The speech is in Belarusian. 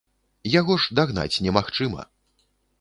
Яго ж дагнаць немагчыма.